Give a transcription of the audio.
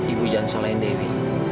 ibu jangan salahin dewi